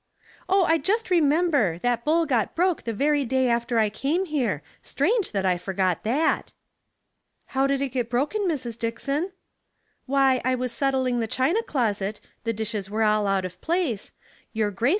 "' Oh, I just remember, that bowl got broke the very day after I came here. Strange that I forgot that:' *' How did it get broken, Mrs. Dickson ?"" Why, I was settling the china closet, the dishes were all out of place ; your Grace